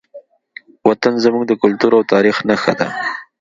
وطن زموږ د کلتور او تاریخ نښه ده.